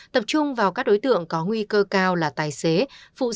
tập trung vào các đối tượng có nguy cơ cao là tài xế phụ xe